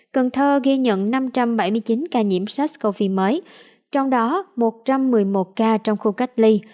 cần thơ ghi nhận năm trăm bảy mươi chín ca nhiễm sars cov hai mới trong đó một trăm một mươi một ca trong khu cách ly